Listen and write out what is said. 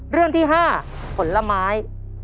เรื่องที่๕ผลไม้